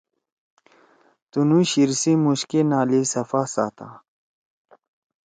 تُنُو شیِر سی مُوش کے نالی صفا ساتا۔